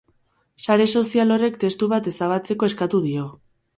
Sare sozial horrek, testu bat ezabatzeko eskatu dio.